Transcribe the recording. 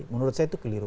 menurut saya itu keliru